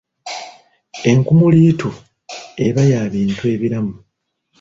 Enkumuliitu eba ya bintu ebiramu.